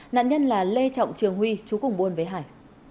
nạn nhân là lê trọng trường huy chú cùng buôn với hải